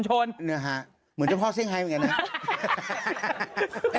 ใช่ติดหนวดเพิ่มให้เหมือนคุณติดด้วยนะนะคะ